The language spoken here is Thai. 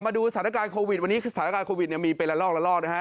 มาดูสถานการณ์โควิดวันนี้สถานการณ์โควิดเนี่ยมีเป็นละลอกละลอกนะฮะ